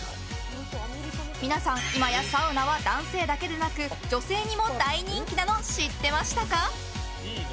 皆さん、いまやサウナは男性だけでなく女性にも大人気なの知ってましたか？